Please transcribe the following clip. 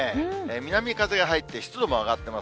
南風が入って、湿度も上がってます。